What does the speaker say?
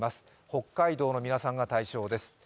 北海道の皆さんが対象です。